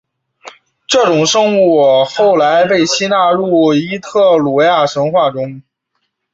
这种生物后来被吸纳入伊特鲁里亚神话中。